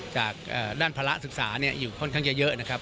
จากด้านภาระศึกษาอยู่ค่อนข้างจะเยอะนะครับ